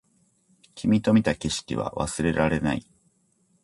君と見た景色は忘れられない